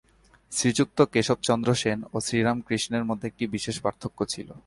শ্রীযুক্ত কেশবচন্দ্র সেন ও শ্রীরামকৃষ্ণের মধ্যে একটি বিশেষ পার্থক্য ছিল।